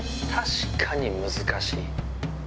確かに難しい。